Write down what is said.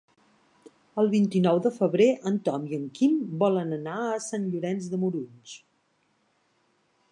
El vint-i-nou de febrer en Tom i en Quim volen anar a Sant Llorenç de Morunys.